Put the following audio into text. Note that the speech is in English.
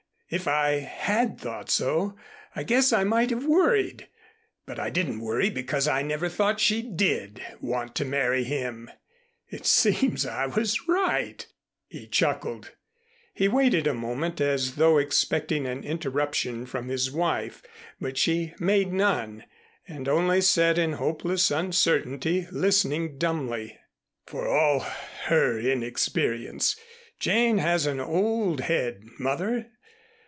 If I had thought so, I guess I might have worried. But I didn't worry because I never thought she did want to marry him. It seems I was right," he chuckled. He waited a moment as though expecting an interruption from his wife, but she made none, and only sat in hopeless uncertainty listening dumbly. "For all her inexperience, Jane has an old head, Mother.